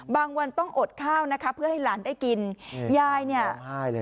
วันต้องอดข้าวนะคะเพื่อให้หลานได้กินยายเนี่ยใช่เลย